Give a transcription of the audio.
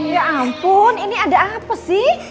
ya ampun ini ada apa sih